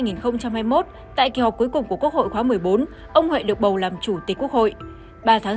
xin chào các bạn